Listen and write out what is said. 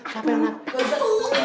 tuh anggota nangan ya kia